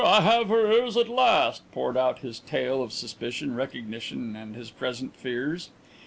I have her ears at last!" poured out his tale of suspicion, recognition and his present fears.